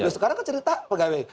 sekarang kan cerita pegawai